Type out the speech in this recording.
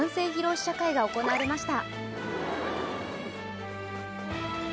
試写会が行われました。